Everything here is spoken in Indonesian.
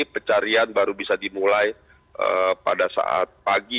pencarian baru bisa dimulai pada saat pagi